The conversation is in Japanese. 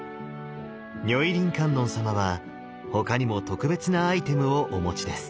如意輪観音様は他にも特別なアイテムをお持ちです。